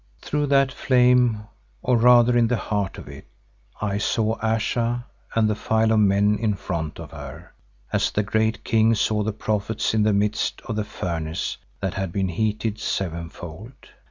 Through that flame or rather in the heart of it, I saw Ayesha and the file of men in front of her, as the great King saw the prophets in the midst of the furnace that had been heated sevenfold.